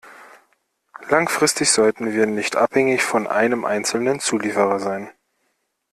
Langfristig sollten wir nicht abhängig von einem einzelnen Zulieferer sein.